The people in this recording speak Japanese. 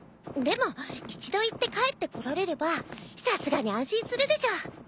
でも一度行って帰ってこられればさすがに安心するでしょ。